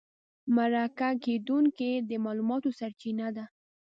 مرکه کېدونکی د معلوماتو سرچینه ده.